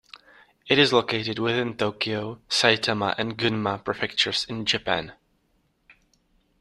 It is located within Tokyo, Saitama, and Gunma Prefectures in Japan.